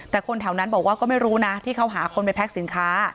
แต่คนแถวนั้นบอกว่าก็ไม่รู้นะที่เขาหาคนไปแพ็คสินค้า